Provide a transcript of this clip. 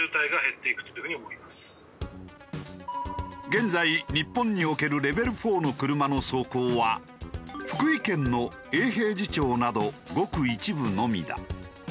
現在日本におけるレベル４の車の走行は福井県の永平寺町などごく一部のみだ。